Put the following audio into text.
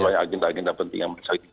banyak agenda agenda penting yang bersaing